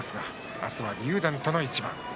明日は竜電との一番です。